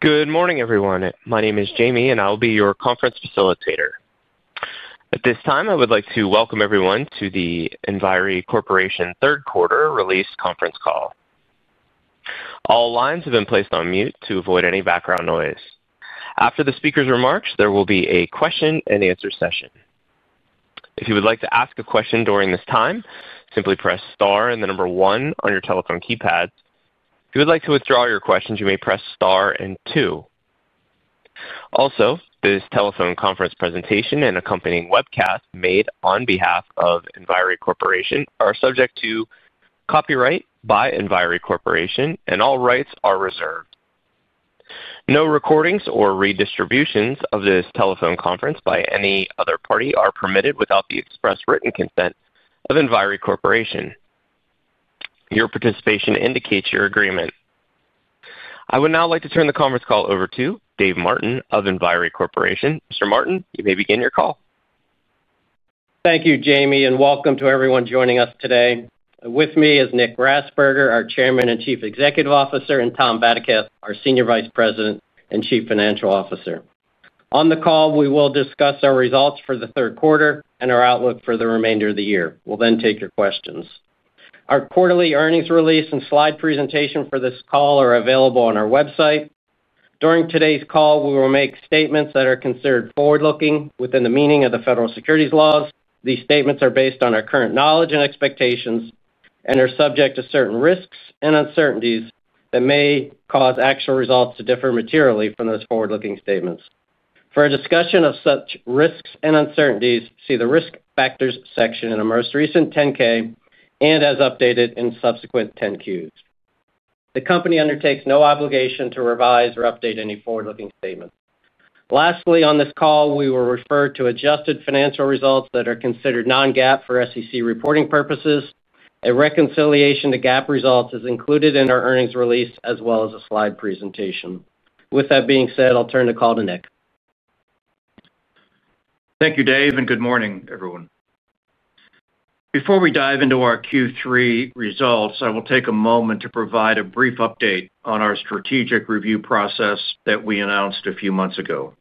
Good morning, everyone. My name is Jamie, and I'll be your conference facilitator. At this time, I would like to welcome everyone to the Enviri Corporation third-quarter release conference call. All lines have been placed on mute to avoid any background noise. After the speaker's remarks, there will be a question-and-answer session. If you would like to ask a question during this time, simply press star and the number one on your telephone keypad. If you would like to withdraw your questions, you may press star and two. Also, this telephone conference presentation and accompanying webcast made on behalf of Enviri Corporation are subject to copyright by Enviri Corporation, and all rights are reserved. No recordings or redistributions of this telephone conference by any other party are permitted without the express written consent of Enviri Corporation. Your participation indicates your agreement. I would now like to turn the conference call over to Dave Martin of Enviri Corporation. Mr. Martin, you may begin your call. Thank you, Jamie, and welcome to everyone joining us today. With me is Nick Grasberger, our Chairman and Chief Executive Officer, and Tom Vadaketh, our Senior Vice President and Chief Financial Officer. On the call, we will discuss our results for the third quarter and our outlook for the remainder of the year. We'll then take your questions. Our quarterly earnings release and slide presentation for this call are available on our website. During today's call, we will make statements that are considered forward-looking within the meaning of the federal securities laws. These statements are based on our current knowledge and expectations and are subject to certain risks and uncertainties that may cause actual results to differ materially from those forward-looking statements. For a discussion of such risks and uncertainties, see the risk factors section in the most recent 10-K and as updated in subsequent 10-Qs. The company undertakes no obligation to revise or update any forward-looking statements. Lastly, on this call, we will refer to adjusted financial results that are considered non-GAAP for SEC reporting purposes. A reconciliation to GAAP results is included in our earnings release as well as a slide presentation. With that being said, I'll turn the call to Nick. Thank you, Dave, and good morning, everyone. Before we dive into our Q3 results, I will take a moment to provide a brief update on our strategic review process that we announced a few months ago.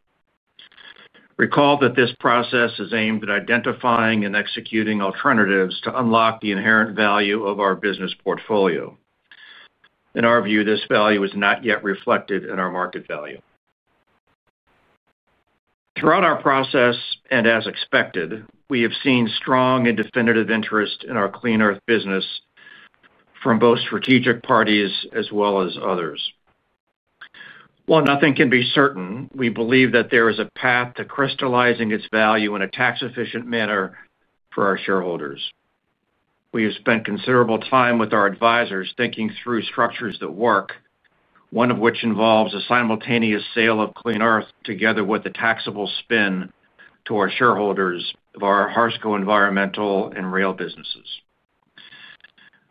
Recall that this process is aimed at identifying and executing alternatives to unlock the inherent value of our business portfolio. In our view, this value is not yet reflected in our market value. Throughout our process, and as expected, we have seen strong and definitive interest in our Clean Earth business from both strategic parties as well as others. While nothing can be certain, we believe that there is a path to crystallizing its value in a tax-efficient manner for our shareholders. We have spent considerable time with our advisors thinking through structures that work, one of which involves a simultaneous sale of Clean Earth together with a taxable spin to our shareholders of our Harsco Environmental and Rail businesses.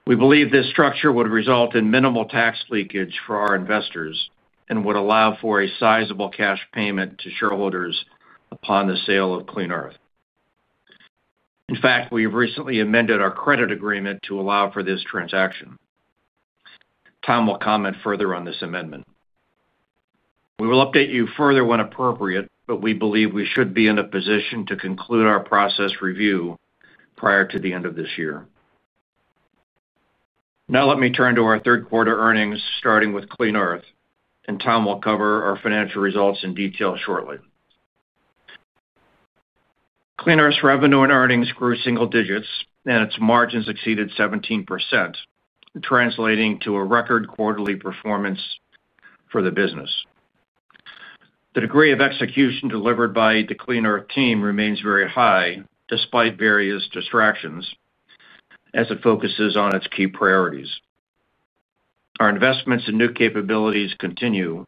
We believe this structure would result in minimal tax leakage for our investors and would allow for a sizable cash payment to shareholders upon the sale of Clean Earth. In fact, we have recently amended our credit agreement to allow for this transaction. Tom will comment further on this amendment. We will update you further when appropriate, but we believe we should be in a position to conclude our process review prior to the end of this year. Now, let me turn to our third-quarter earnings, starting with Clean Earth, and Tom will cover our financial results in detail shortly. Clean Earth revenue and earnings grew single digits, and its margins exceeded 17%, translating to a record quarterly performance for the business. The degree of execution delivered by the Clean Earth team remains very high despite various distractions, as it focuses on its key priorities. Our investments in new capabilities continue,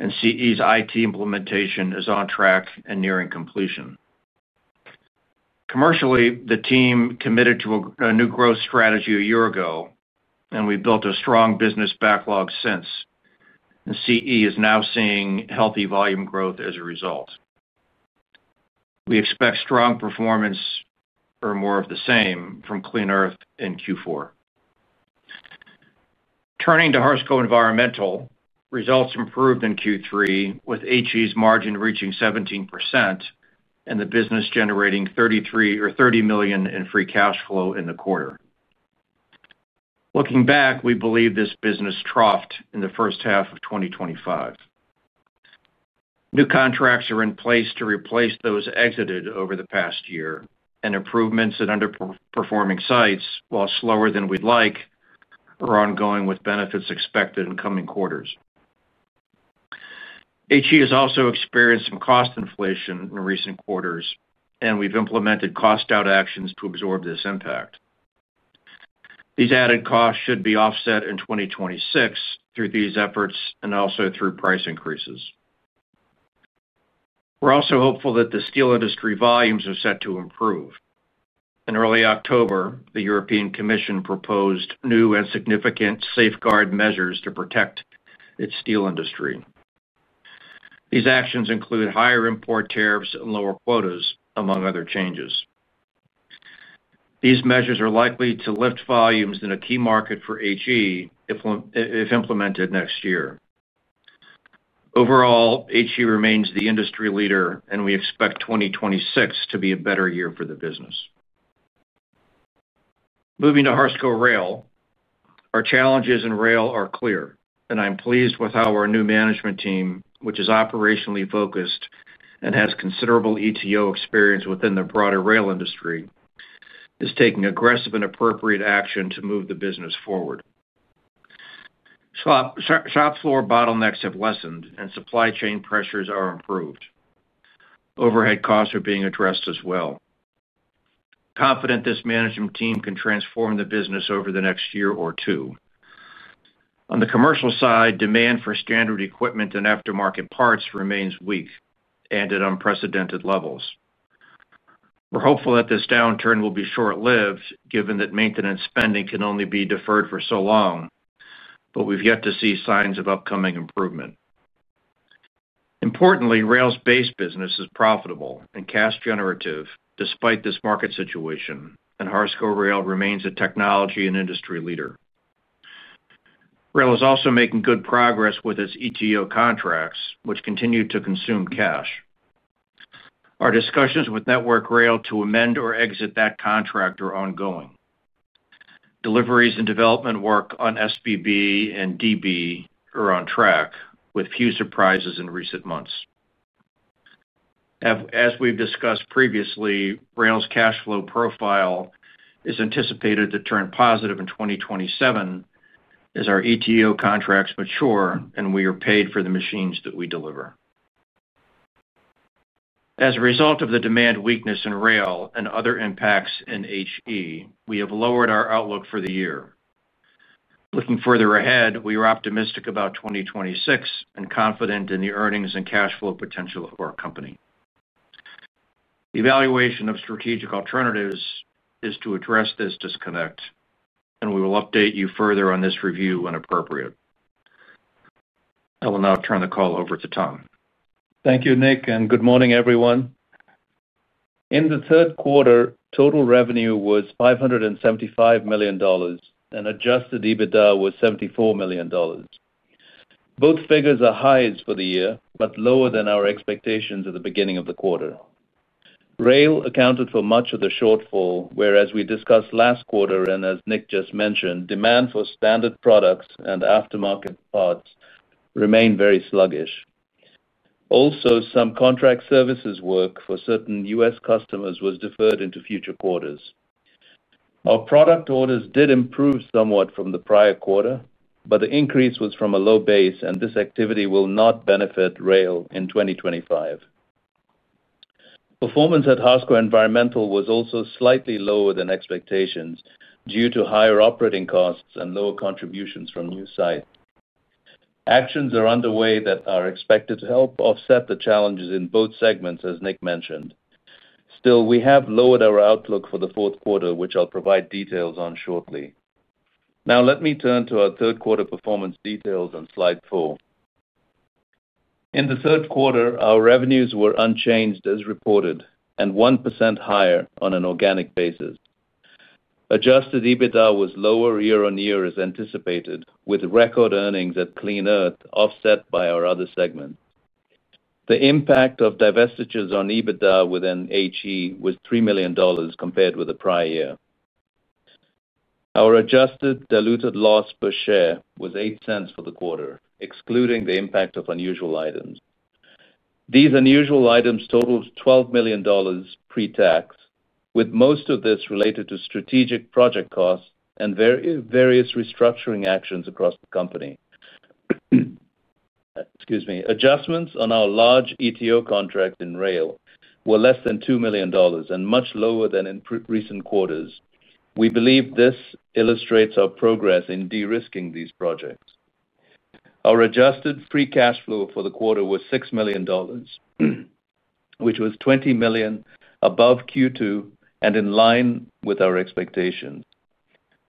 and CE's IT implementation is on track and nearing completion. Commercially, the team committed to a new growth strategy a year ago, and we've built a strong business backlog since, and CE is now seeing healthy volume growth as a result. We expect strong performance or more of the same from Clean Earth in Q4. Turning to Harsco Environmental, results improved in Q3, with HE's margin reaching 17% and the business generating $30 million in free cash flow in the quarter. Looking back, we believe this business troughed in the first half of 2025. New contracts are in place to replace those exited over the past year, and improvements at underperforming sites, while slower than we'd like, are ongoing with benefits expected in coming quarters. HE has also experienced some cost inflation in recent quarters, and we've implemented cost-out actions to absorb this impact. These added costs should be offset in 2026 through these efforts and also through price increases. We're also hopeful that the steel industry volumes are set to improve. In early October, the European Commission proposed new and significant safeguard measures to protect its steel industry. These actions include higher import tariffs and lower quotas, among other changes. These measures are likely to lift volumes in a key market for HE if implemented next year. Overall, HE remains the industry leader, and we expect 2026 to be a better year for the business. Moving to Harsco Rail, our challenges in rail are clear, and I'm pleased with how our new management team, which is operationally focused and has considerable ETO experience within the broader rail industry, is taking aggressive and appropriate action to move the business forward. Shop floor bottlenecks have lessened, and supply chain pressures are improved. Overhead costs are being addressed as well. Confident this management team can transform the business over the next year or two. On the commercial side, demand for standard equipment and aftermarket parts remains weak and at unprecedented levels. We're hopeful that this downturn will be short-lived, given that maintenance spending can only be deferred for so long, but we've yet to see signs of upcoming improvement. Importantly, rail's base business is profitable and cash-generative despite this market situation, and Harsco Rail remains a technology and industry leader. Rail is also making good progress with its ETO contracts, which continue to consume cash. Our discussions with Network Rail to amend or exit that contract are ongoing. Deliveries and development work on SBB and DB are on track, with few surprises in recent months. As we've discussed previously, Rail's cash flow profile is anticipated to turn positive in 2027 as our ETO contracts mature and we are paid for the machines that we deliver. As a result of the demand weakness in rail and other impacts in HE, we have lowered our outlook for the year. Looking further ahead, we are optimistic about 2026 and confident in the earnings and cash flow potential of our company. The evaluation of strategic alternatives is to address this disconnect, and we will update you further on this review when appropriate. I will now turn the call over to Tom. Thank you, Nick, and good morning, everyone. In the third quarter, total revenue was $575 million, and adjusted EBITDA was $74 million. Both figures are highs for the year, but lower than our expectations at the beginning of the quarter. Rail accounted for much of the shortfall, whereas we discussed last quarter, and as Nick just mentioned, demand for standard products and aftermarket parts remained very sluggish. Also, some contract services work for certain U.S. customers was deferred into future quarters. Our product orders did improve somewhat from the prior quarter, but the increase was from a low base, and this activity will not benefit rail in 2025. Performance at Harsco Environmental was also slightly lower than expectations due to higher operating costs and lower contributions from new sites. Actions are underway that are expected to help offset the challenges in both segments, as Nick mentioned. Still, we have lowered our outlook for the fourth quarter, which I'll provide details on shortly. Now, let me turn to our third-quarter performance details on slide four. In the third quarter, our revenues were unchanged as reported and 1% higher on an organic basis. Adjusted EBITDA was lower year-on-year as anticipated, with record earnings at Clean Earth offset by our other segment. The impact of divestitures on EBITDA within Harsco Environmental was $3 million compared with the prior year. Our adjusted diluted loss per share was $0.08 for the quarter, excluding the impact of unusual items. These unusual items totaled $12 million pre-tax, with most of this related to strategic project costs and various restructuring actions across the company. Excuse me. Adjustments on our large ETO contract in rail were less than $2 million and much lower than in recent quarters. We believe this illustrates our progress in de-risking these projects. Our adjusted free cash flow for the quarter was $6 million, which was $20 million above Q2 and in line with our expectations.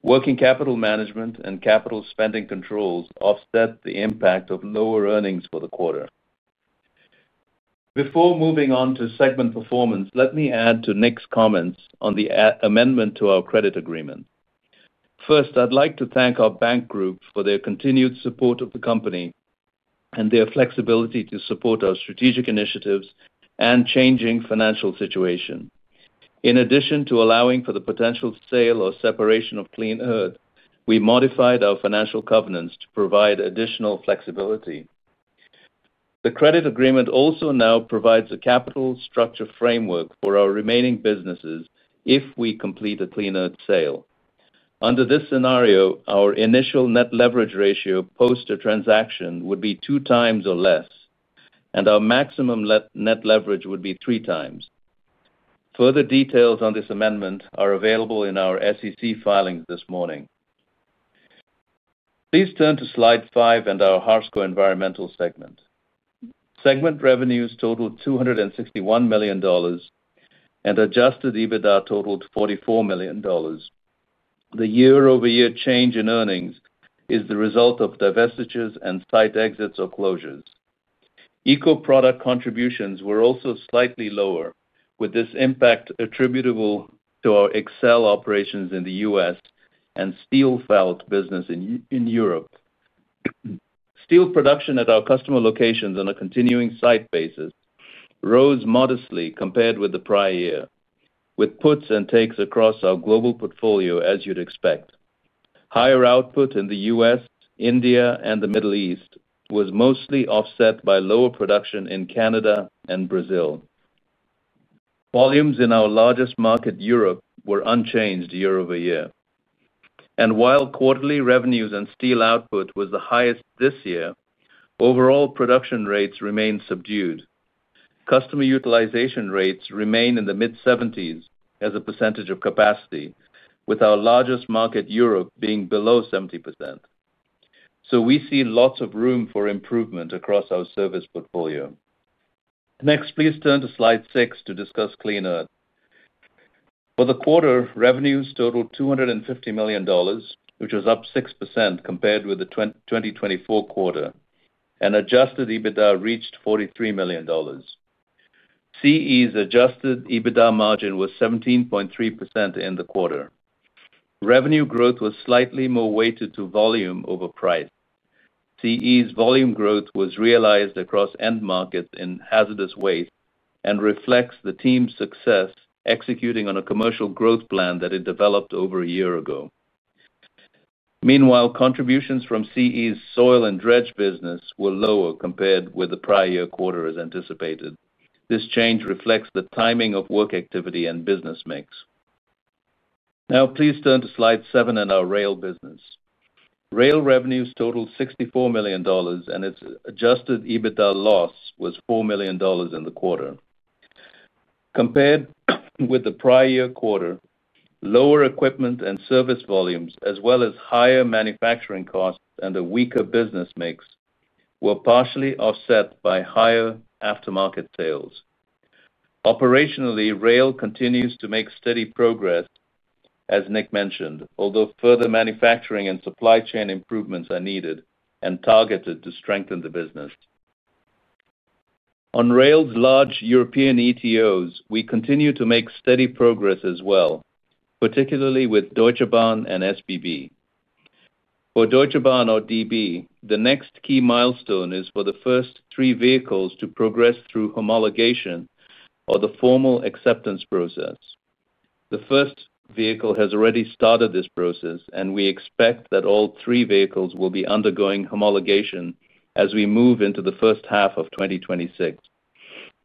Working capital management and capital spending controls offset the impact of lower earnings for the quarter. Before moving on to segment performance, let me add to Nick's comments on the amendment to our credit agreement. First, I'd like to thank our bank group for their continued support of the company and their flexibility to support our strategic initiatives and changing financial situation. In addition to allowing for the potential sale or separation of Clean Earth, we modified our financial covenants to provide additional flexibility. The credit agreement also now provides a capital structure framework for our remaining businesses if we complete a Clean Earth sale. Under this scenario, our initial net leverage ratio post a transaction would be 2x or less, and our maximum net leverage would be 3x. Further details on this amendment are available in our SEC filings this morning. Please turn to slide five and our Harsco Environmental segment. Segment revenues totaled $261 million, and adjusted EBITDA totaled $44 million. The year-over-year change in earnings is the result of divestitures and site exits or closures. Eco product contributions were also slightly lower, with this impact attributable to our Excel operations in the U.S. and steel felt business in Europe. Steel production at our customer locations on a continuing site basis rose modestly compared with the prior year, with puts and takes across our global portfolio, as you'd expect. Higher output in the U.S., India, and the Middle East was mostly offset by lower production in Canada and Brazil. Volumes in our largest market, Europe, were unchanged year-over-year. While quarterly revenues and steel output was the highest this year, overall production rates remained subdued. Customer utilization rates remain in the mid-70% as a percentage of capacity, with our largest market, Europe, being below 70%. We see lots of room for improvement across our service portfolio. Next, please turn to slide six to discuss Clean Earth. For the quarter, revenues totaled $250 million, which was up 6% compared with the 2024 quarter, and adjusted EBITDA reached $43 million. CE's adjusted EBITDA margin was 17.3% in the quarter. Revenue growth was slightly more weighted to volume over price. CE's volume growth was realized across end markets in hazardous waste and reflects the team's success executing on a commercial growth plan that it developed over a year ago. Meanwhile, contributions from CE's soil and dredge business were lower compared with the prior year quarter, as anticipated. This change reflects the timing of work activity and business mix. Now, please turn to slide seven and our rail business. Rail revenues totaled $64 million, and its adjusted EBITDA loss was $4 million in the quarter. Compared with the prior year quarter, lower equipment and service volumes, as well as higher manufacturing costs and a weaker business mix, were partially offset by higher aftermarket sales. Operationally, rail continues to make steady progress, as Nick mentioned, although further manufacturing and supply chain improvements are needed and targeted to strengthen the business. On rail's large European ETOs, we continue to make steady progress as well, particularly with Deutsche Bahn and SBB. For Deutsche Bahn or DB, the next key milestone is for the first three vehicles to progress through homologation or the formal acceptance process. The first vehicle has already started this process, and we expect that all three vehicles will be undergoing homologation as we move into the first half of 2026.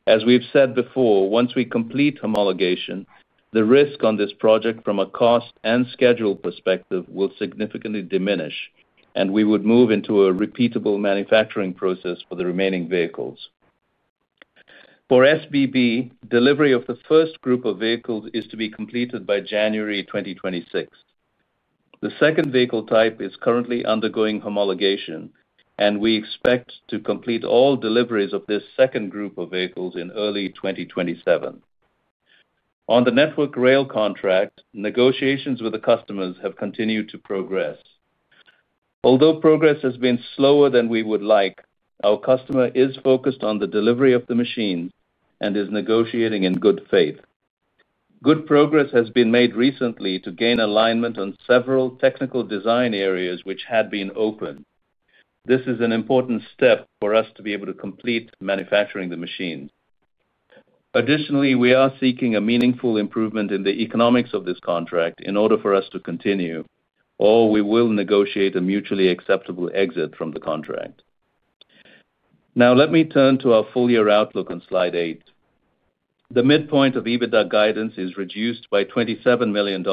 As we've said before, once we complete homologation, the risk on this project from a cost and schedule perspective will significantly diminish, and we would move into a repeatable manufacturing process for the remaining vehicles. For SBB, delivery of the first group of vehicles is to be completed by January 2026. The second vehicle type is currently undergoing homologation, and we expect to complete all deliveries of this second group of vehicles in early 2027. On the Network Rail contract, negotiations with the customers have continued to progress. Although progress has been slower than we would like, our customer is focused on the delivery of the machines and is negotiating in good faith. Good progress has been made recently to gain alignment on several technical design areas which had been open. This is an important step for us to be able to complete manufacturing the machines. Additionally, we are seeking a meaningful improvement in the economics of this contract in order for us to continue, or we will negotiate a mutually acceptable exit from the contract. Now, let me turn to our full year outlook on slide eight. The midpoint of EBITDA guidance is reduced by $27 million,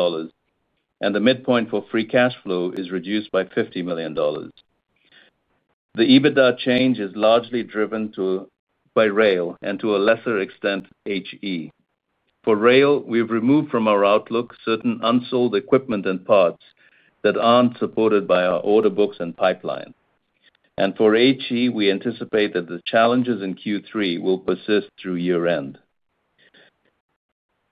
and the midpoint for free cash flow is reduced by $50 million. The EBITDA change is largely driven by rail and, to a lesser extent, HE. For rail, we've removed from our outlook certain unsold equipment and parts that aren't supported by our order books and pipeline. For HE, we anticipate that the challenges in Q3 will persist through year-end.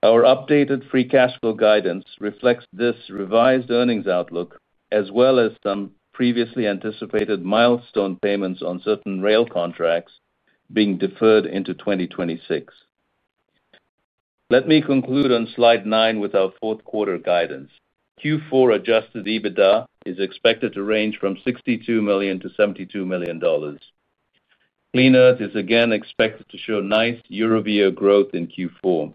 Our updated free cash flow guidance reflects this revised earnings outlook, as well as some previously anticipated milestone payments on certain rail contracts being deferred into 2026. Let me conclude on slide nine with our fourth quarter guidance. Q4 adjusted EBITDA is expected to range from $62 million-$72 million. Clean Earth is again expected to show nice year-over-year growth in Q4.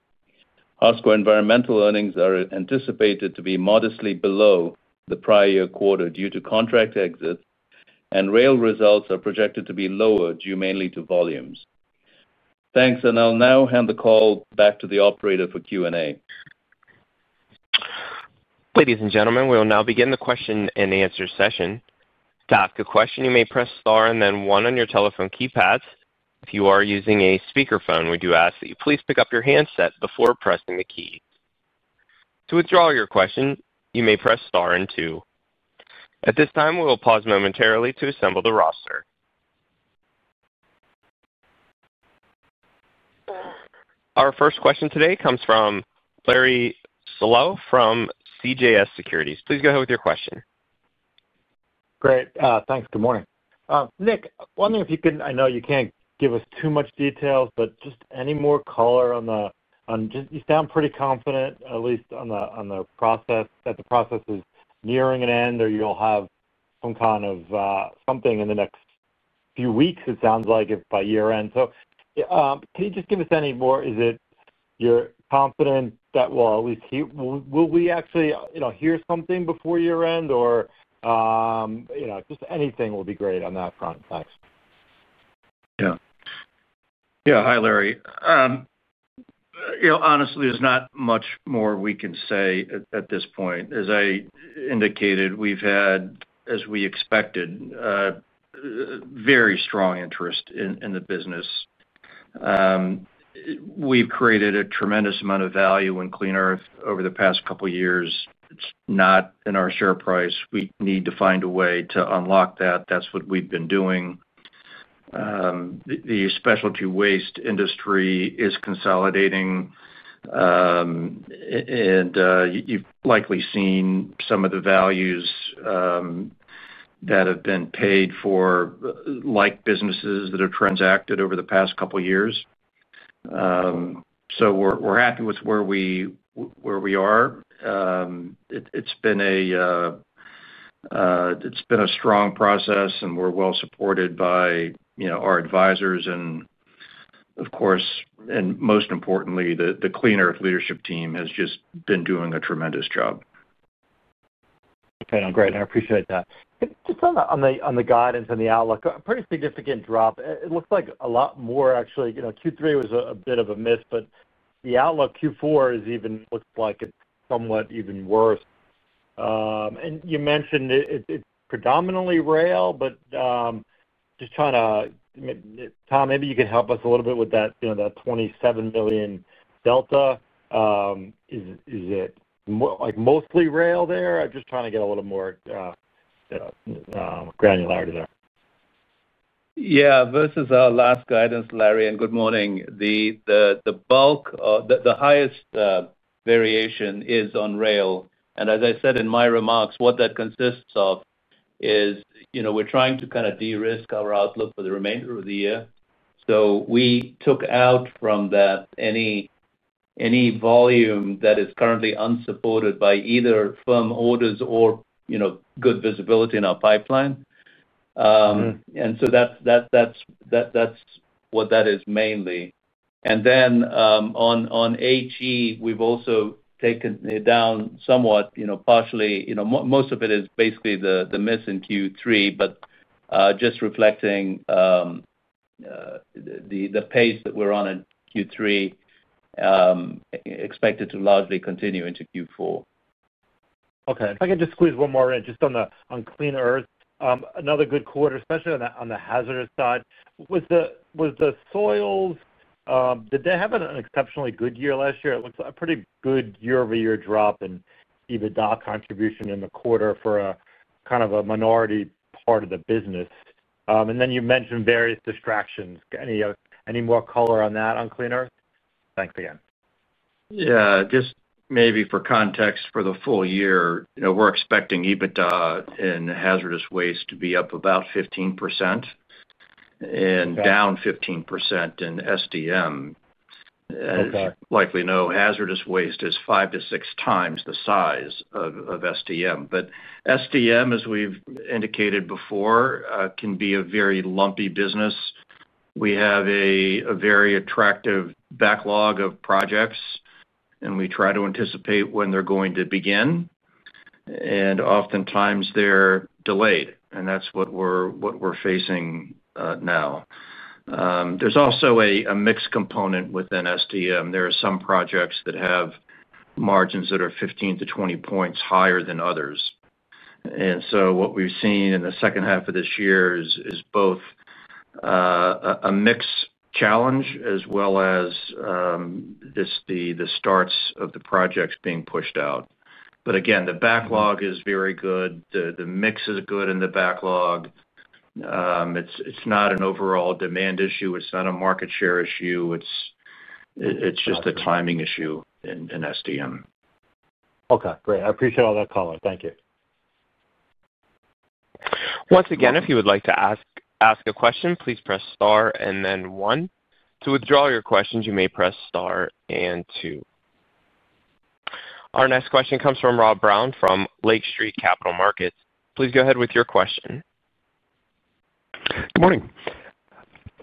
Harsco Environmental earnings are anticipated to be modestly below the prior year quarter due to contract exits, and rail results are projected to be lower due mainly to volumes. Thanks, and I'll now hand the call back to the operator for Q&A. Ladies and gentlemen, we will now begin the question and answer session. To ask a question, you may press star and then one on your telephone keypad. If you are using a speakerphone, we do ask that you please pick up your handset before pressing the key. To withdraw your question, you may press star and two. At this time, we will pause momentarily to assemble the roster. Our first question today comes from Larry Slough from CJS Securities. Please go ahead with your question. Great. Thanks. Good morning. Nick, wondering if you can—I know you can't give us too much detail, but just any more color on the—you sound pretty confident, at least on the process, that the process is nearing an end, or you'll have some kind of something in the next few weeks, it sounds like, by year-end. Can you just give us any more? Is it you're confident that we'll at least hear—will we actually hear something before year-end, or just anything will be great on that front? Thanks. Yeah. Yeah. Hi, Larry. Honestly, there's not much more we can say at this point. As I indicated, we've had, as we expected, very strong interest in the business. We've created a tremendous amount of value in Clean Earth over the past couple of years. It's not in our share price. We need to find a way to unlock that. That's what we've been doing. The specialty waste industry is consolidating, and you've likely seen some of the values that have been paid for, like businesses that have transacted over the past couple of years. We are happy with where we are. It's been a strong process, and we're well supported by our advisors. Of course, and most importantly, the Clean Earth leadership team has just been doing a tremendous job. Okay. Great. I appreciate that. Just on the guidance and the outlook, a pretty significant drop. It looks like a lot more, actually. Q3 was a bit of a miss, but the outlook Q4 looks like it is somewhat even worse. You mentioned it is predominantly rail, but just trying to—Tom, maybe you can help us a little bit with that $27 million delta. Is it mostly rail there? I am just trying to get a little more granularity there. Yeah. This is our last guidance, Larry. And good morning. The bulk, the highest variation is on rail. As I said in my remarks, what that consists of is we're trying to kind of de-risk our outlook for the remainder of the year. We took out from that any volume that is currently unsupported by either firm orders or good visibility in our pipeline. That is what that is mainly. On HE, we've also taken it down somewhat, partially. Most of it is basically the miss in Q3, but just reflecting the pace that we're on in Q3, expected to largely continue into Q4. Okay. If I can just squeeze one more in, just on Clean Earth. Another good quarter, especially on the hazardous side, was the soils—did they have an exceptionally good year last year? It looks like a pretty good year-over-year drop in EBITDA contribution in the quarter for kind of a minority part of the business. You mentioned various distractions. Any more color on that on Clean Earth? Thanks again. Yeah. Just maybe for context, for the full year, we're expecting EBITDA in hazardous waste to be up about 15% and down 15% in SDM. And as you likely know, hazardous waste is five to six times the size of SDM. But SDM, as we've indicated before, can be a very lumpy business. We have a very attractive backlog of projects, and we try to anticipate when they're going to begin. Oftentimes, they're delayed, and that's what we're facing now. There's also a mix component within SDM. There are some projects that have margins that are 15-20 points higher than others. What we've seen in the second half of this year is both a mix challenge as well as the starts of the projects being pushed out. Again, the backlog is very good. The mix is good in the backlog. It's not an overall demand issue. It's not a market share issue. It's just a timing issue in SDM. Okay. Great. I appreciate all that color. Thank you. Once again, if you would like to ask a question, please press star and then one. To withdraw your questions, you may press star and two. Our next question comes from Rob Brown from Lake Street Capital Markets. Please go ahead with your question. Good morning.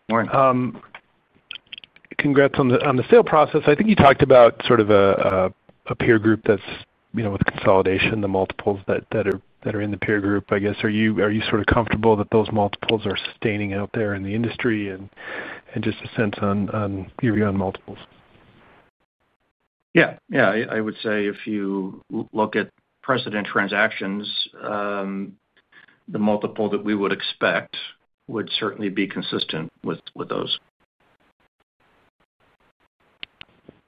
Good morning. Congrats on the sale process. I think you talked about sort of a peer group that's with consolidation, the multiples that are in the peer group, I guess. Are you sort of comfortable that those multiples are sustaining out there in the industry and just a sense on your view on multiples? Yeah. Yeah. I would say if you look at precedent transactions, the multiple that we would expect would certainly be consistent with those.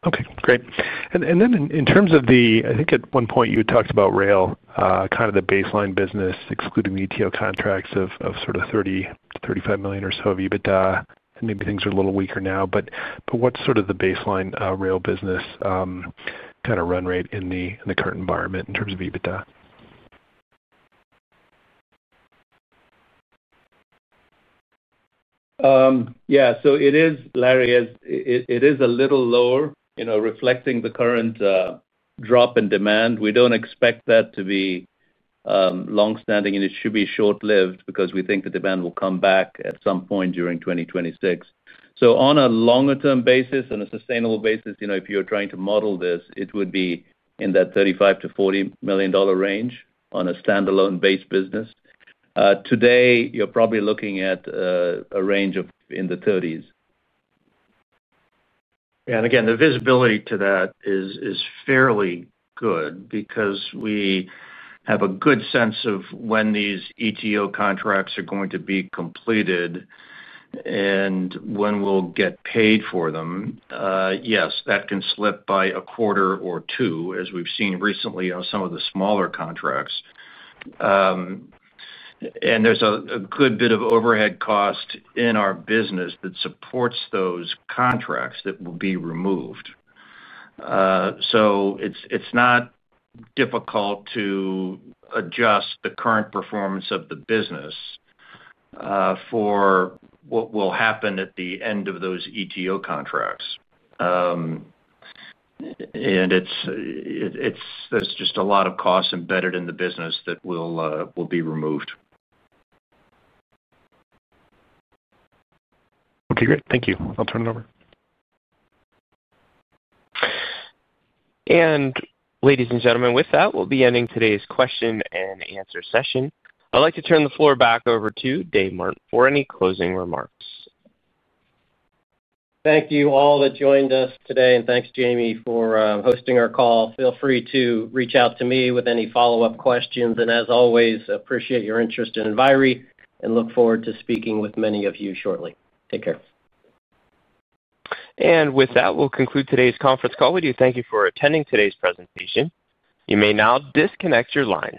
Okay. Great. In terms of the—I think at one point you talked about rail, kind of the baseline business, excluding the ETO contracts of sort of $30 million-$35 million or so of EBITDA, and maybe things are a little weaker now. What is sort of the baseline rail business kind of run rate in the current environment in terms of EBITDA? Yeah. It is, Larry, it is a little lower, reflecting the current drop in demand. We do not expect that to be longstanding, and it should be short-lived because we think the demand will come back at some point during 2026. On a longer-term basis and a sustainable basis, if you are trying to model this, it would be in that $35 million-$40 million range on a standalone-based business. Today, you are probably looking at a range of in the $30 million range. Yeah. Again, the visibility to that is fairly good because we have a good sense of when these ETO contracts are going to be completed and when we'll get paid for them. Yes, that can slip by a quarter or two, as we've seen recently on some of the smaller contracts. There's a good bit of overhead cost in our business that supports those contracts that will be removed. It's not difficult to adjust the current performance of the business for what will happen at the end of those ETO contracts. There's just a lot of costs embedded in the business that will be removed. Okay. Great. Thank you. I'll turn it over. Ladies and gentlemen, with that, we'll be ending today's question and answer session. I'd like to turn the floor back over to Dave Martin for any closing remarks. Thank you all that joined us today, and thanks, Jamie, for hosting our call. Feel free to reach out to me with any follow-up questions. As always, appreciate your interest and advisory and look forward to speaking with many of you shortly. Take care. With that, we'll conclude today's conference call. We do thank you for attending today's presentation. You may now disconnect your line.